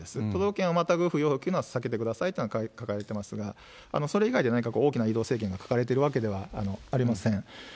都道府県をまたぐ不要不急なのは避けてくださいと書かれてますが、それ以外で何か大きな移動制限が書かれているわけではありません。